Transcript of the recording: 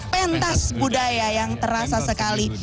pentas budaya yang terasa sekali